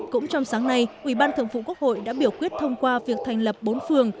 cũng trong sáng nay ủy ban thường vụ quốc hội đã biểu quyết thông qua việc thành lập bốn phường